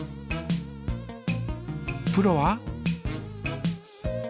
プロは？